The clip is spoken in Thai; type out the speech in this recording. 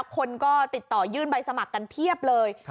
คนก็ติดต่อยื่นใบสมัครกันเพียบเลย